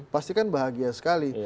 pasti kan bahagia sekali